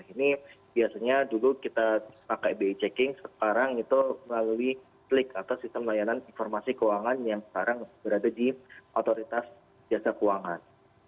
ini biasanya dulu kita pakai bi checking sekarang itu melalui klik atau sistem layanan informasi keuangan yang sekarang berada di otoritas jasa keuangan